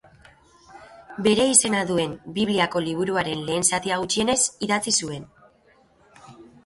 Bere izena duen Bibliako liburuaren lehen zatia gutxienez idatzi zuen.